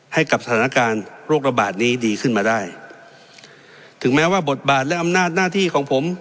ให้กับสถานการณ์โรคระบาดนี้ดีขึ้นมาได้ถึงแม้ว่าบทบาทและอำนาจหน้าที่ของผม